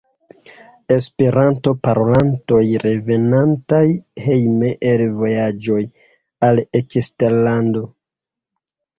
Esperanto-parolantoj revenantaj hejme el vojaĝoj al eksterlando.